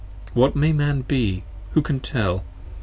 What may Man be? who can tell!